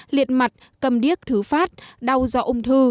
liệt mặt cầm điếc thứ phát đau do ung thư